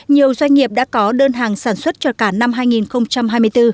nhiều doanh nghiệp đã có đơn hàng sản xuất cho cả năm hai nghìn hai mươi bốn